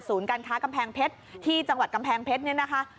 การค้ากำแพงเพชรที่จังหวัดกำแพงเพชรเนี่ยนะคะ